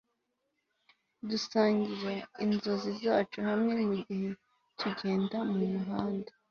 dusangira inzozi zacu hamwe mugihe tugenda mumuhanda